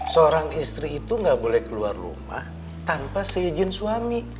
seorang istri itu nggak boleh keluar rumah tanpa seizin suami